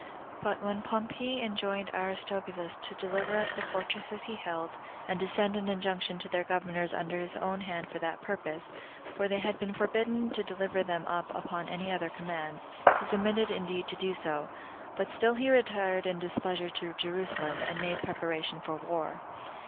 But when Pompey enjoined Aristobulus to deliver up the fortresses he held, and to send an injunction to their governors under his own hand for that purpose, for they had been forbidden to deliver them up upon any other commands, he submitted indeed to do so; but still he retired in displeasure to Jerusalem, and made preparation for war.